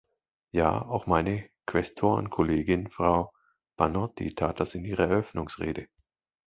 Ja, auch meine Quästorenkollegin, Frau Banotti, tat das in ihrer Eröffnungsrede.